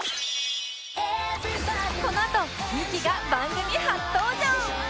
このあとミキが番組初登場！